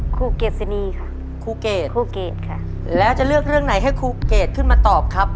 ครูเกษนีค่ะครูเกรดครูเกดค่ะแล้วจะเลือกเรื่องไหนให้ครูเกรดขึ้นมาตอบครับ